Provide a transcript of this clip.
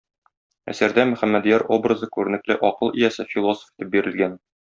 Әсәрдә Мөхәммәдъяр образы күренекле акыл иясе, философ итеп бирелгән.